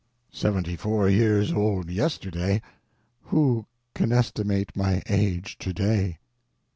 Seventy four years old yesterday. Who can estimate my age today?